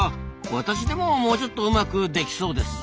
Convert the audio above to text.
私でももうちょっとうまくできそうですぞ。